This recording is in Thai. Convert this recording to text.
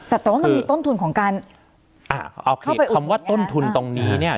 แต่ว่ามันมีต้นทุนของการเข้าไปอุดอย่างเงี้ยคำว่าต้นทุนตรงนี้เนี้ย